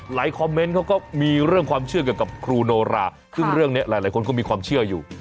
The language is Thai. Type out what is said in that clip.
คอมเมนต์เขาก็มีเรื่องความเชื่อเกี่ยวกับครูโนราซึ่งเรื่องนี้หลายคนก็มีความเชื่ออยู่